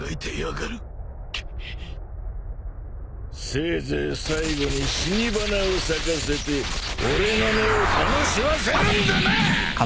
せいぜい最後に死に花を咲かせて俺の目を楽しませるんだな！